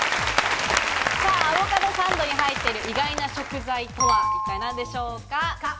アボカドサンドに入っている意外な食材とは一体何でしょうか？